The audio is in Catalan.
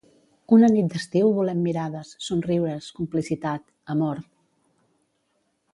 Una nit d’estiu volem mirades, somriures, complicitat, amor.